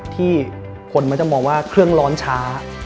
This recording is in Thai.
ที่คนมักจะมองว่าเครื่องร้อนช้า